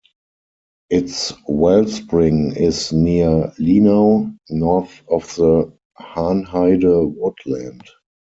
Its wellspring is near Linau, north of the Hahnheide woodland.